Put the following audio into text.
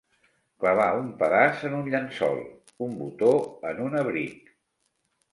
Clavar un pedaç en un llençol, un botó en un abric.